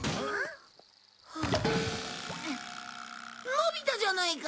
のび太じゃないか！